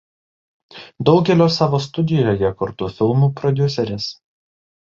Daugelio savo studijoje kurtų filmų prodiuseris.